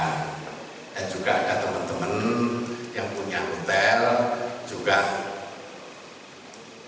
dan juga ada teman teman yang punya hotel